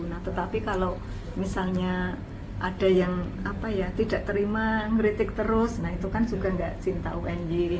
nah tetapi kalau misalnya ada yang apa ya tidak terima ngeritik terus nah itu kan juga nggak cinta unj